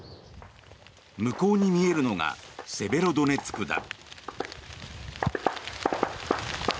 向こうに見えるのがセベロドネツクだ。